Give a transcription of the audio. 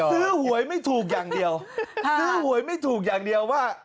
หวยไม่ถูกอย่างเดียวซื้อหวยไม่ถูกอย่างเดียวว่า